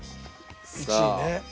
１位ね。